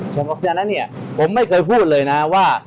เพราะฉะนั้นเนี่ยผมไม่เคยพูดเลยนะว่า